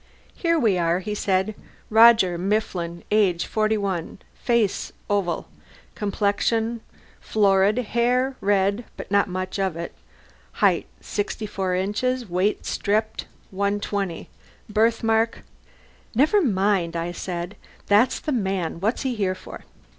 "Here we are," he said. "Roger Mifflin; age, 41; face, oval; complexion, florid; hair, red but not much of it; height, 64 inches; weight, stripped, 120; birthmark...." "Never mind," I said. "That's the man. What's he here for?"